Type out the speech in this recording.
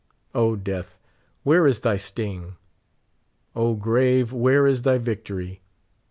O, death, where is thy sting ?y O, grave, where is thy victory